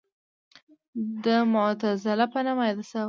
د معتزله په نامه یاده شوه.